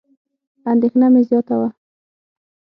اندېښنه مې زیاته وه.